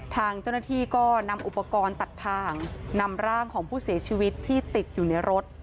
ทางเจ้าหน้าที่ก็นำอุปกรณ์ตัดทางนำร่างของผู้เสียชีวิตที่ติดอยู่ในรถ